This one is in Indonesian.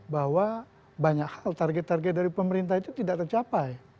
bahwa banyak hal target target dari pemerintah itu tidak tercapai